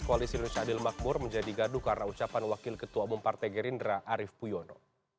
koalisi indonesia adil makmur menjadi gaduh karena ucapan wakil ketua umum partai gerindra arief puyono